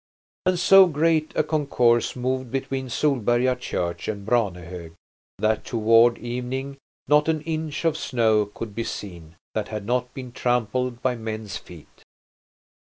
And so great a concourse moved between Solberga church and Branehog that toward evening not an inch of snow could be seen that had not been trampled by men's feet.